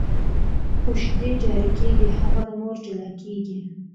خو شیدې جاري کېږي، هغه له مور جلا کېږي.